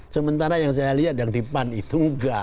sementara yang saya lihat yang di pan itu